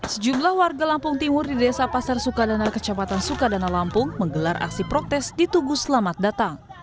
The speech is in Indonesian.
sejumlah warga lampung timur di desa pasar sukadana kecamatan sukadana lampung menggelar aksi protes di tugu selamat datang